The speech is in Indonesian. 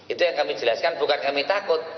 itu yang kami jelaskan bukan kami takut